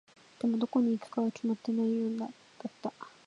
でも、どこに行くかは決まっていないようだった。